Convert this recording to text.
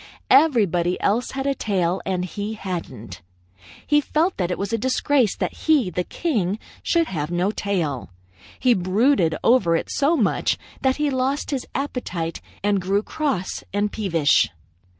Everybody else had a tail, and he hadn't. He felt that it was a disgrace that he, the king, should have no tail. He brooded over it so much that he lost his appetite and grew cross and peevish.